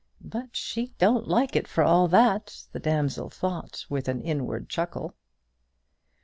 "But she don't like it for all that," the damsel thought, with an inward chuckle.